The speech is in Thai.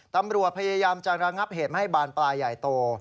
ตำรวจพยายามจะระงับเหตุไม่ให้บานปลายใหญ่โต